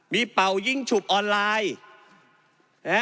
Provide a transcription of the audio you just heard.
มีเป่ายิ่งฉุบออนไลน์